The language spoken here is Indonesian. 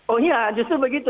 oh iya justru begitu